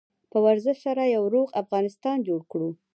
په ورزش سره یو روغ افغانستان جوړ کړو.